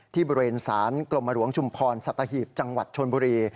ที่บริเวณศาลกรมหลวงชุมพรสัตหีบจังหวัดชนบุรี